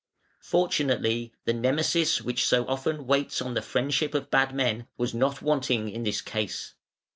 Fortunately, the Nemesis which so often waits on the friendship of bad men was not wanting in this case.